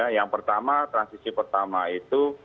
yang pertama transisi pertama itu